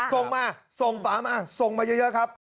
ส่งมาส่งฝามาส่งมาเยอะครับ